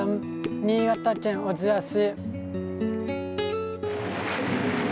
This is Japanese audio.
新潟県小千谷市。